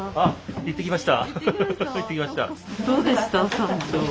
行ってきました。